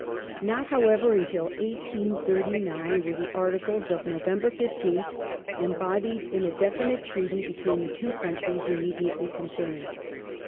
Not, however, until 1839 were the articles of November 15th embodied in a definite treaty between the two countries immediately concerned.